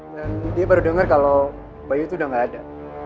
dan dia baru dengar kalau bayu itu udah gak ada